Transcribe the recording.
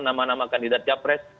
nama nama kandidat capres